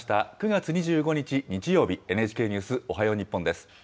９月２５日日曜日、ＮＨＫニュースおはよう日本です。